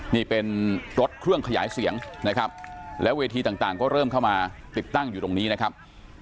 นี่เป็นรถเครื่องขยายเสียงนะครับแล้วเวทีต่างก็เริ่มเข้ามาติดตั้งอยู่ตรงนี้นะครับ